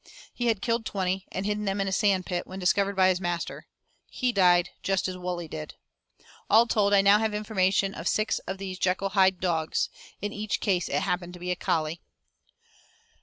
He had killed twenty, and hidden them in a sandpit, when discovered by his master. He died just as Wully did. All told, I now have information of six of these Jekyll Hyde dogs. In each case it happened to be a collie.